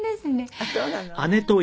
あっそうなの。